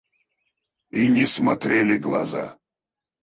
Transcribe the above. И не смотрели глаза.